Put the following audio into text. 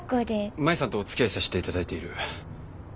舞さんとおつきあいさしていただいている柏木です。